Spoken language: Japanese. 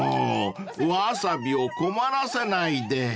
［もうわさびを困らせないで］